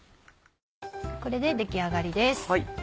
これで出来上がりです。